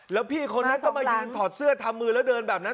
แล้วพี่คนนั้นก็มายืนถอดเสื้อทำมือแล้วเดินแบบนั้น